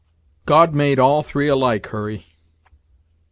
"God made all three alike, Hurry."